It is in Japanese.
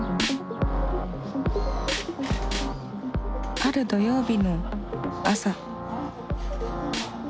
ある土曜日の朝。